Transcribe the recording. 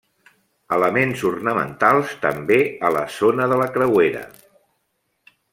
Elements ornamentals també a la zona de la creuera.